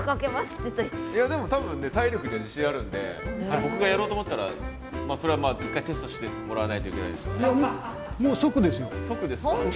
いやでも多分ね体力には自信あるんで僕がやろうと思ったらそれはまあ一回テストしてもらわないといけないですよね。